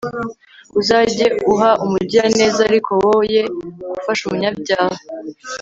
uzajye uha umugiraneza ariko woye gufasha umunyabyaha